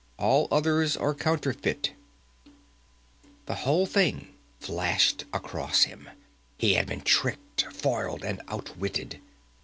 || All others are counterfeite. |++ The whole thing flashed across him. He had been tricked, foiled, and out witted!